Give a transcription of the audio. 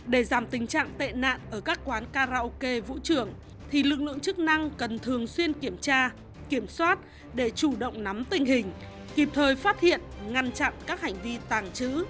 để giảm tình trạng tệ nạn ở các quán karaoke vũ trường thì lực lượng chức năng cần thường xuyên kiểm tra kiểm soát để chủ động nắm tình hình kịp thời phát hiện ngăn chặn các hành vi tàng trữ